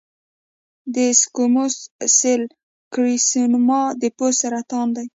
د سکوموس سیل کارسینوما د پوست سرطان دی.